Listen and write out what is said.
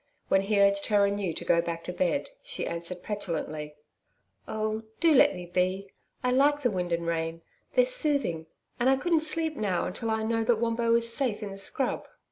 When he urged her anew to go back to bed, she answered petulantly: 'Oh, do let me be. I like the wind and the rain they're soothing. And I couldn't sleep now until I know that Wombo is safe in the scrub.'